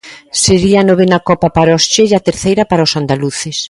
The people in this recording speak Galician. Sería a novena Copa para os che e a terceira para os andaluces.